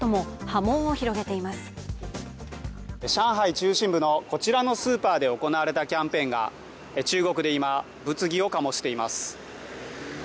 中心部のこちらのスーパーで行われたキャンペーンが中国で今、物議を醸しています。